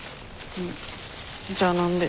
じゃあ何で？